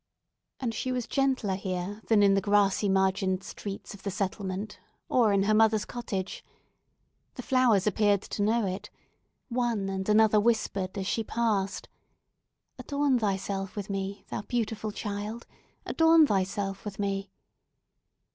And she was gentler here than in the grassy margined streets of the settlement, or in her mother's cottage. The flowers appeared to know it, and one and another whispered as she passed, "Adorn thyself with me, thou beautiful child, adorn thyself with me!"